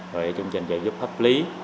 rồi là chương trình giải dục hấp lý